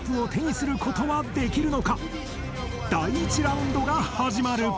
第１ラウンドが始まる！